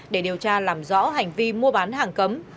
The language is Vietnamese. để điều tra làm rõ hành vi mua bán hàng cấm